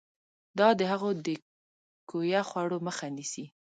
دا د هغو د کویه خوړو مخه نیسي.